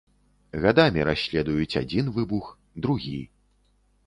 Гадамі расследуюць адзін выбух, другі.